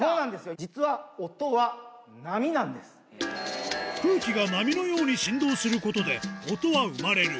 実は、空気が波のように振動することで、音は生まれる。